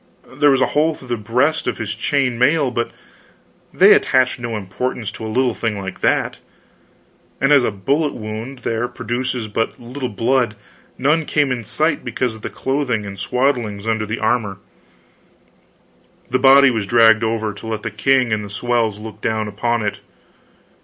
There was a hole through the breast of his chain mail, but they attached no importance to a little thing like that; and as a bullet wound there produces but little blood, none came in sight because of the clothing and swaddlings under the armor. The body was dragged over to let the king and the swells look down upon it.